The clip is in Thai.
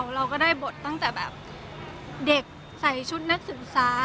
เราก็ได้บทตั้งแต่แบบเด็กใส่ชุดนักศึกษา